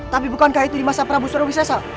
seperti di masa prabu surawisasa